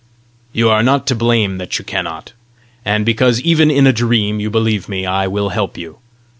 "You are not to blame that you cannot. And because even in a dream you believe me, I will help you.